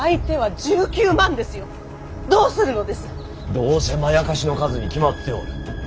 どうせまやかしの数に決まっておる。